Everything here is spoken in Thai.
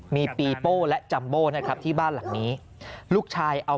มีปีโป้และจัมโบ้นะครับที่บ้านหลังนี้ลูกชายเอา